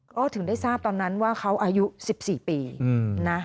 ก็ถึงได้ทราบตอนนั้นว่าเขาอายุ๑๔ปีนะ